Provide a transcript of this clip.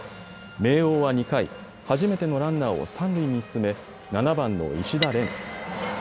明桜は２回、初めてのランナーを三塁に進め７番の石田恋。